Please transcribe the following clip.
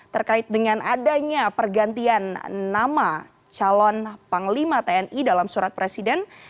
terkait dengan adanya pergantian nama calon panglima tni yudho margono